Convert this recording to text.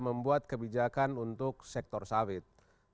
membuat kebijakan untuk sektor sawit